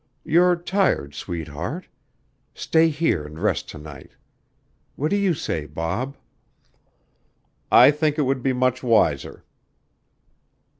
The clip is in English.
You're tired, sweetheart. Stay here an' rest to night. What do you say, Bob?" "I think it would be much wiser."